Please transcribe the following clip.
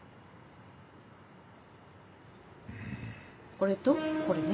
これとこれね。